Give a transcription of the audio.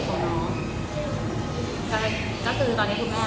ก็คือตอนนี้คุณแม่